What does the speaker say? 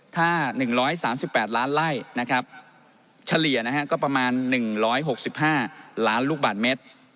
ถ้าหนึ่งร้อยสามสิบแปดล้านไล่นะครับเฉลี่ยนะฮะก็ประมาณหนึ่งร้อยหกสิบห้าล้านลูกบาทเมตร